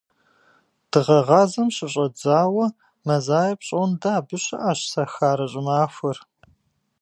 Дыгъэгъазэм щыщӏэдзауэ мазае пщӏондэ абы щыӏэщ «Сахарэ щӏымахуэр».